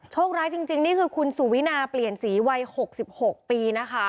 โชคร้ายจริงจริงนี่คือคุณสุวิณาเปลี่ยนสีไว้หกสิบหกปีนะคะ